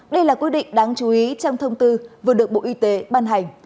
đây là quy định đáng chú ý trong thông tư vừa được bộ y tế ban hành